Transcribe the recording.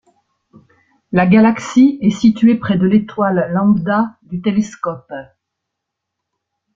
La galaxie est située près de l'étoile Lambda du Télescope.